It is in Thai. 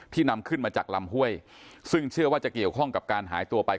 นำขึ้นมาจากลำห้วยซึ่งเชื่อว่าจะเกี่ยวข้องกับการหายตัวไป